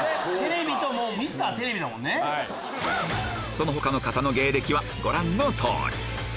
その他の方の芸歴はご覧の通り